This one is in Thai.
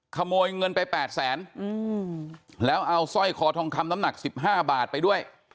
ขโมยเงินไป๘แสนแล้วเอาสร้อยคอทองคำน้ำหนัก๑๕บาทไปด้วย